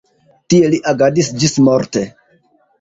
Tie li agadis ĝismorte.